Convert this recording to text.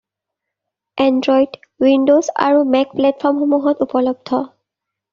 Android, Windows আৰু Mac প্লেটফৰ্মসমূহত উপলব্ধ।